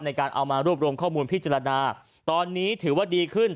ในการเอามารวบรวมข้อมูลพิจารณาตอนนี้ถือว่าดีขึ้น